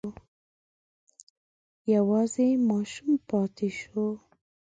یوازې ماشوم پاتې شو.